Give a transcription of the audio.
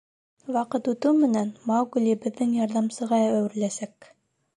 Ваҡыт үтеү менән Маугли беҙҙең ярҙамсыға әүереләсәк.